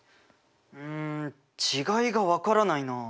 うん違いが分からないな。